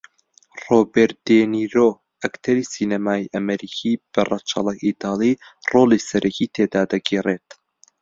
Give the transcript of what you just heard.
رۆبێرت دێنیرۆ ئەکتەری سینەمایی ئەمریکی بە رەچەڵەک ئیتاڵی رۆڵی سەرەکی تێدا دەگێڕێت